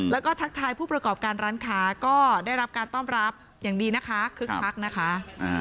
แล้วก็ทักทายผู้ประกอบการร้านค้าก็ได้รับการต้อนรับอย่างดีนะคะคึกคักนะคะ